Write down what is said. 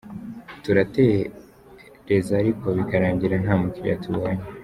Turatereza ariko bikarangira nta mukiriya tubonye.